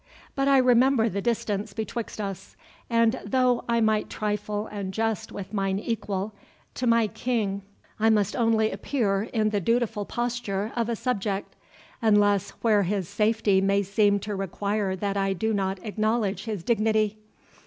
But I remember the distance betwixt us; and though I might trifle and jest with mine equal, to my King I must only appear in the dutiful posture of a subject, unless where his safety may seem to require that I do not acknowledge his dignity."